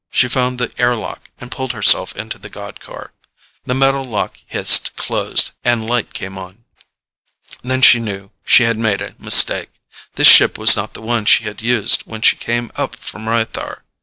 She found the air lock and pulled herself into the god car. The metal lock hissed closed and light came on. Then she knew she had made a mistake. This ship was not the one she had used when she came up from Rythar.